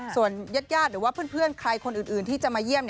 ส่วนญาติหรือว่าเพื่อนใครคนอื่นที่จะมาเยี่ยม